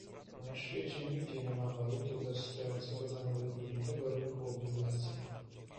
Na świecie nigdzie nie ma waluty bez stojącego za nią jednolitego rynku obligacji